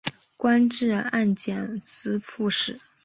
官至按察司副使。